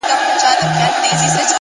بریا له نظم سره مینه لري.